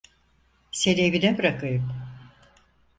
Seni evine bırakayım.